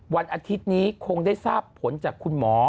วันอาทิตย์นี้คงได้ทราบผลจากคุณหมอ